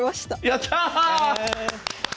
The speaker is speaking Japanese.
やった！